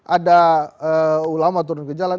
ada ulama turun ke jalan